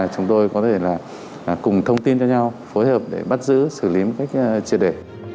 chúng tôi có thể là cùng thông tin cho nhau phối hợp để bắt giữ xử lý một cách triệt để